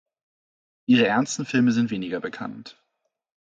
Ihre ernsten Filme sind weniger bekannt.